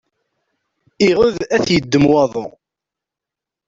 Iɣed, ad t-iddem waḍu.